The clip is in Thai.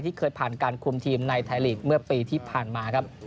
เคยผ่านการคุมทีมในไทยลีกเมื่อปีที่ผ่านมาครับ